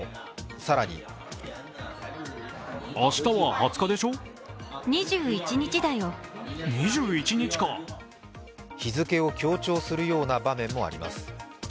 更に日付を強調するような場面もあります。